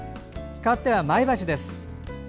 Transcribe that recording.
かわっては前橋です。